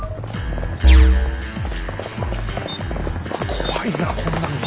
怖いなこんなん来たら。